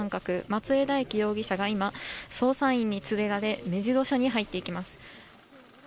松江大樹容疑者が今、捜査員に連れられ目白署に入っていきます。